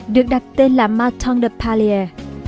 được đặt tên là maton de pallier